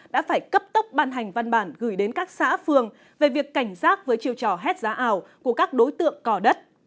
đã phải cấp tốc ban hành văn bản gửi đến các xã phường về việc cảnh giác với chiều trò hết giá ảo của các đối tượng cò đất